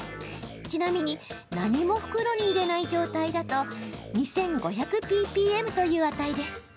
ちなみに何も袋に入れない状態だと２５００ｐｐｍという値です。